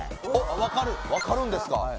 分かるんですかええ